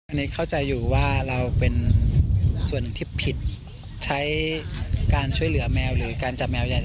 อันนี้เข้าใจอยู่ว่าเราเป็นส่วนหนึ่งที่ผิดใช้การช่วยเหลือแมวหรือการจับแมวใหญ่